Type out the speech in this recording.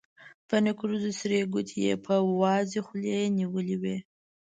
په نکريزو سرې ګوتې يې په وازې خولې نيولې وې.